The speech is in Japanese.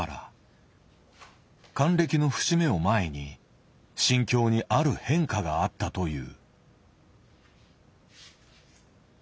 還暦の節目を前に心境にある変化があったという。